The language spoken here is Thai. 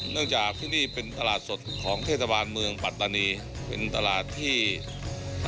เนื่องจากที่นี่เป็นตลาดสดของเทศบาลเมืองปัตตานีเป็นตลาดที่